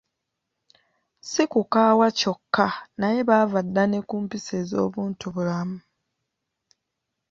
Si kukaawa kyokka naye baava dda ne ku mpisa ez’obuntubulamu.